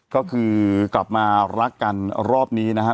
ก็คือกลับมารักกันรอบนี้นะฮะ